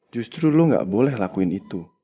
justru lo gak boleh lakuin itu